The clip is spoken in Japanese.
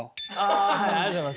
はい。